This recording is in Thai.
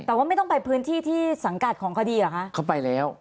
แต่ไม่ต้องไปที่ที่สังกัดของคดีหรอคะ